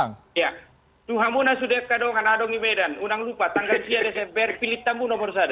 jangan lupa tanggal jaya desember pilih tanggung nomor sepuluh